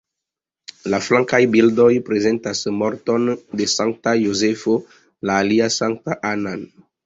La flankaj bildoj prezentas morton de Sankta Jozefo, la alia Sanktan Anna-n.